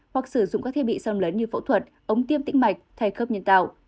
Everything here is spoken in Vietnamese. hoặc sử dụng các thiết bị sân lớn như phẫu thuật ống tiêm tĩnh mạch thay khớp nhân tạo